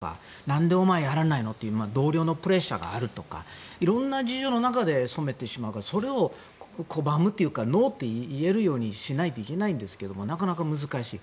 あるいはクラブや雰囲気の中で踊らされて、あおられてやるとかなんでお前、やらないの？という同僚のプレッシャーがあるとか色んな事情の中で染めてしまうからそれを拒むというかノーと言えるようにしないといけないんですがなかなか難しい。